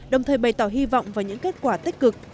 đồng thời bày tỏ hy vọng vào những kết quả tích cực